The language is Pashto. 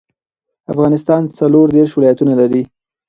افغانستان څلور دیرش ولايتونه لري